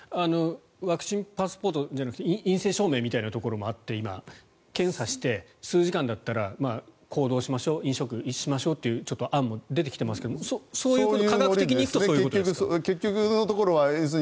ワクチンパスポートじゃなくて陰性証明みたいなところもあって検査して数時間だったら行動しましょう飲食しましょうというちょっと案も出てきていますが科学的にいうとそういうことですか？